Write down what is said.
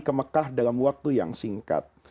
ke mekah dalam waktu yang singkat